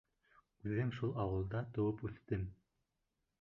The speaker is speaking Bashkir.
Үҙем шул ауылда тыуып үҫтем.